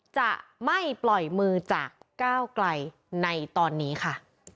จะไม่ปล่อยมือจากก้าวไกลในตอนนี้ค่ะ